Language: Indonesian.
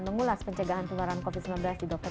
mengulas pencegahan penularan covid sembilan belas di dokter